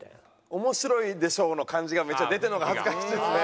「面白いでしょ」の感じがめっちゃ出てるのが恥ずかしいですね。